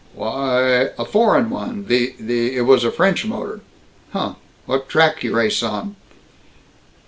"Why, a foreign one. The the It was a French motor." "Huh! What track you race on?"